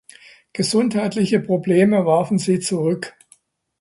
Gesundheitliche Probleme warfen sie zurück.